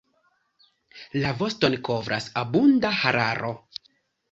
La voston kovras abunda hararo.